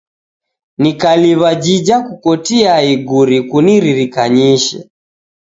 Nikaliw'a jija kukotia iguri kuniririkanyishe.